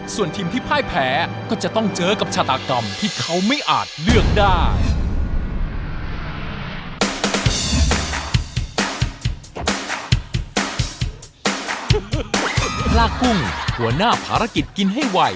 ส่วนทีมที่พ่ายแพ้ก็จะต้องเจอกับชาตากรรมที่เขาไม่อาจเลือกได้